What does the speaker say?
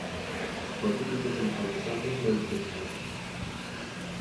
Heute geht es um Anstand und Menschlichkeit.